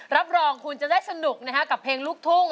รับรองคุณจะได้สนุกนะฮะกับเพลงลูกทุ่ง